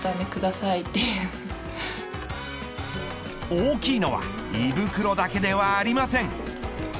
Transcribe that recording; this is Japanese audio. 大きいのは胃袋だけではありません。